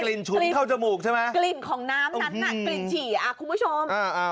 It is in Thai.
กลิ่นของน้ำนั้นน่ะกลิ่นฉีอ่ะคุณผู้ชม